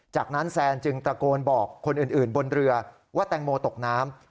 จากนั้นแซนจึงตะโกนบอกคนอื่นบนเรือว่าแตงโมตกน้ำ